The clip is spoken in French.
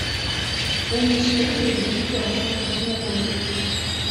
Saint Michel est vêtu en centurion romain.